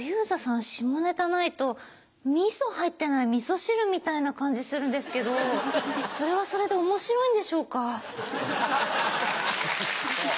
下ネタないとみそ入ってないみそ汁みたいな感じするんですけどそれはそれで面白いんでしょうか？